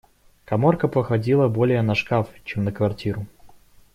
Каморка походила более на шкаф, чем на квартиру.